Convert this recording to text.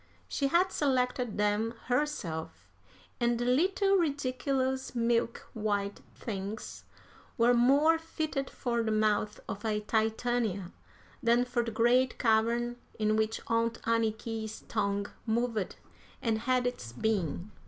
She had selected them herself, and the little ridiculous milk white things were more fitted for the mouth of a Titania than for the great cavern in which Aunt Anniky's tongue moved and had its being.